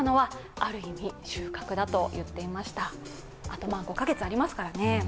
あと５カ月ありますからね。